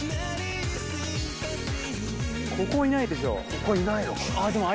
ここいないのかな？